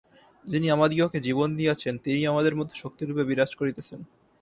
যিনি আমাদিগকে জীবন দিয়াছেন, তিনিই আমাদের মধ্যে শক্তিরূপে বিরাজ করিতেছেন।